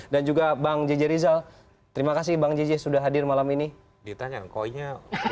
dan juga bang jj rizal terima kasih bang jj sudah hadir malam ini ditanya koinnya